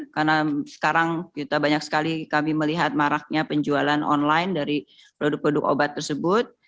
karena sekarang banyak sekali kami melihat maraknya penjualan online dari produk produk obat tersebut